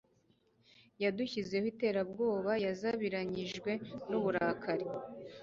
Yadushyizeho iterabwoba yazabiranyijwe n uburakari